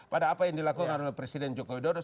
pada apa yang dilakukan oleh presiden joko widodo